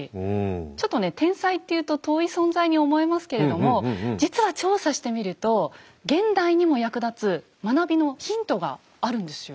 ちょっとね天才っていうと遠い存在に思えますけれども実は調査してみると現代にも役立つ学びのヒントがあるんですよ。